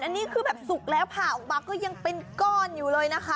อันนี้คือแบบสุกแล้วผ่าออกมาก็ยังเป็นก้อนอยู่เลยนะคะ